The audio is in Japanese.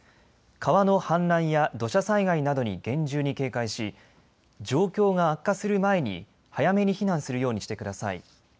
川の氾濫や土砂災害などに厳重に警戒し、状況が悪化する前に早めに避難するようにしてください。